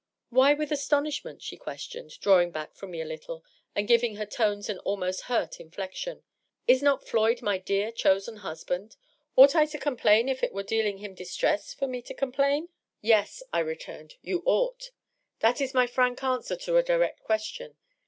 " Why ^ with astonishment' ?" she questioned, drawing back from me a little, and giving her tones an almost hurt inflection. '' Is not Floyd my dear, chosen husband ? Ought I to complain if it were deal ing him distress for me to complain ?'^ DOUGLAS DUANE. 687 " Yes/^ I returned, *' you ought. That is my frank answer to a direct question.